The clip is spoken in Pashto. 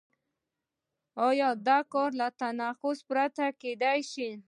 آیا دا کار له تناقض پرته کېدای شي؟